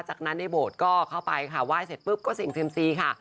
จากนั้นในโบสถ์ก็เข้าไปค่ะไหว้เสร็จปุ๊บก็เสี่ยงเซียมซีค่ะ